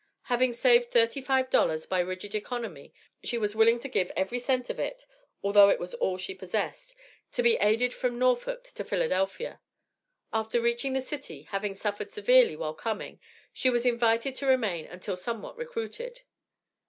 Having saved thirty five dollars by rigid economy, she was willing to give every cent of it (although it was all she possessed), to be aided from Norfolk to Philadelphia. After reaching the city, having suffered severely while coming, she was invited to remain until somewhat recruited.